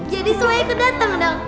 jadi semua ikut dateng dong